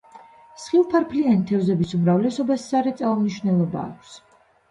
სხივფარფლიანი თევზების უმრავლესობას სარეწაო მნიშვნელობა აქვს.